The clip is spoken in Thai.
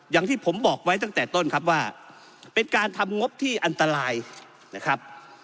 อย่างที่ผมบอกไว้ตั้งแต่ต้นครับว่าเป็นการทำงบที่อันตรายนะครับ